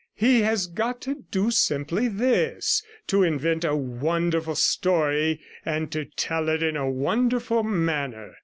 He has got to do simply this to invent a wonderful story, and to tell it in a wonderful manner.'